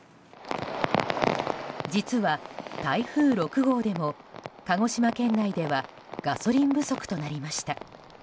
実は台風６号でも鹿児島県内ではガソリン不足となりました。